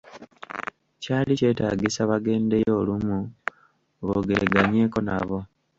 Kyali kyetaagisa bagendeyo olumu boogereganyeeko nabo.